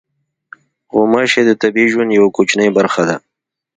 غوماشې د طبیعي ژوند یوه کوچنۍ برخه ده.